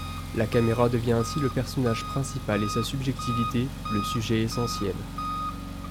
La caméra devient ainsi le personnage principal et sa subjectivité, le sujet essentiel.